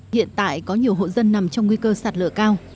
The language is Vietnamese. hiện tại có nhiều hộ dân nằm trong nguy cơ sạt lở cao